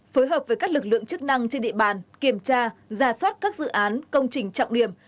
phối hợp với các lực lượng chức năng trên địa bàn kiểm tra ra soát các dự án công trình trọng điểm